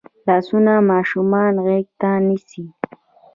لاسونه ماشومان غېږ ته نیسي